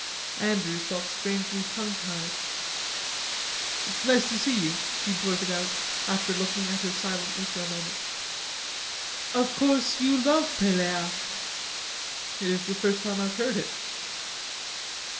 Andrews felt strangely tongue tied. "It's nice to see you," he blurted out, after looking at her silently for a moment. "Of course you love Pelleas." "It is the first time I've heard it."